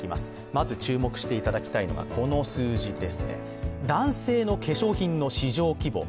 まず注目していただきたいのはこの数字ですね。